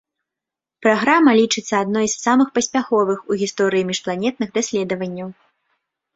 Праграма лічыцца адной з самых паспяховых у гісторыі міжпланетных даследаванняў.